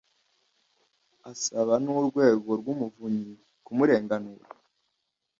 asaba n urwego rw umuvunyi kumurenganura